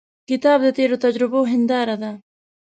کتاب د تیرو تجربو هنداره ده.